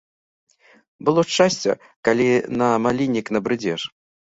Было шчасце, калі на маліннік набрыдзеш.